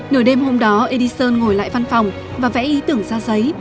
nửa đêm hôm đó edison ngồi lại văn phòng và vẽ ý tưởng ra giấy